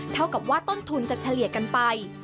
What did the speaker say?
เท่ากับว่าต้นทุนจะเฉลี่ยกันไป